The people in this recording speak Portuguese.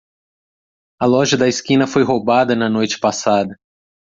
A loja da esquina foi roubada na noite passada.